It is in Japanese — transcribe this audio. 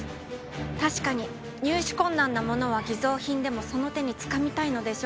確かに入手困難なものは偽造品でもその手につかみたいのでしょう。